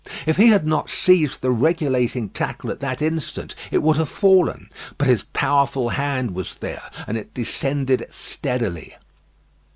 If he had not seized the regulating tackle at that instant it would have fallen. But his powerful hand was there, and it descended steadily.